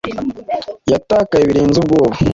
yatakaye birenze ubwoba